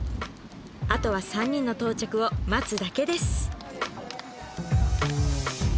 あとは３人の到着を待つだけです